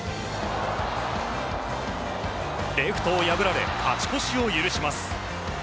レフトを破られ勝ち越しを許します。